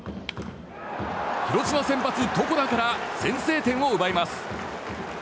広島先発、床田から先制点を奪います。